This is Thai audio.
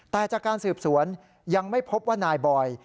แต่จากการสืบสวนยังไม่พบว่านายบอย